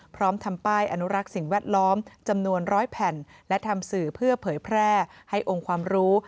พร้อมทำป้ายอนุรักษ์สิ่งแวดล้อมจำนวนร้อยแผ่นและทำสื่อเพื่อเผยแพร่ให้องค์ความรู้